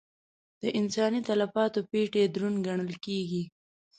د انساني تلفاتو پېټی دروند ګڼل کېږي.